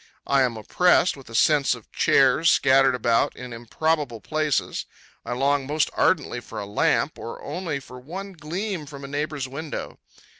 I am oppressed with a sense of chairs, scattered about in improbable places. I long most ardently for a lamp, or only for one gleam from a neighbor's window.